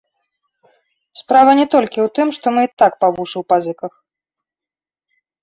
Справа не толькі ў тым, што мы і так па вушы ў пазыках.